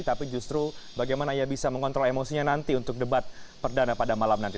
tapi justru bagaimana ia bisa mengontrol emosinya nanti untuk debat perdana pada malam nanti